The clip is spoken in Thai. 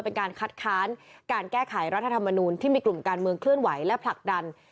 เป็นการคัดค้านการแก้ไขรัฐธรรมนูลที่มีกลุ่มการเมืองเคลื่อนไหวและผลักดัน